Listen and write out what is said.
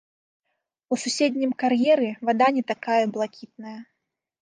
У суседнім кар'еры вада не такая блакітная.